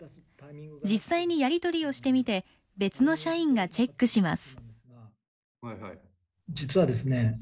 実際にやり取りをしてみて別の社員がチェックします。